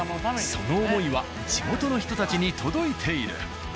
その思いは地元の人たちに届いている。